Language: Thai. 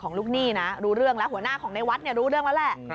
ลูกหนี้นะรู้เรื่องแล้วหัวหน้าของในวัดรู้เรื่องแล้วแหละ